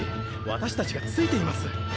私達がついています！